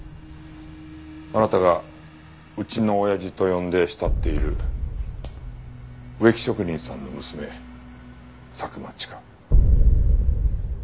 あなたが「うちのおやじ」と呼んで慕っている植木職人さんの娘佐久間千佳。